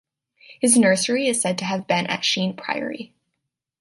His nursery is said to have been at Sheen Priory.